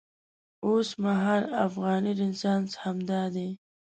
اوسمهالی افغاني رنسانس همدا دی.